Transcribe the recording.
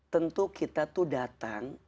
tentu kita tuh datang